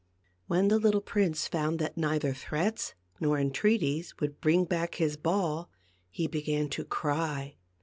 When the little prince found that neither threats nor entreaties would bring back his ball, he began to cry.